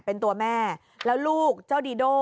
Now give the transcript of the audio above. เป็นตัวแม่แล้วลูกเจ้าดีโด่